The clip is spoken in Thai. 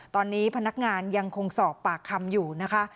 ตอนนี้พนักงานยังคงสอบปากคำอยู่นะคะ